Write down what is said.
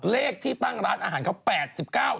เลขที่ตั้งร้านอาหารเขา๘๙บาท